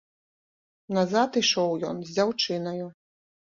Назад ішоў ён з дзяўчынаю.